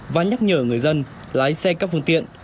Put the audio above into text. và nhắc nhở người dân lái xe các phương tiện